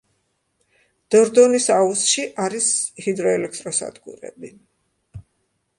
დორდონის აუზში არის ჰიდროელექტროსადგურები.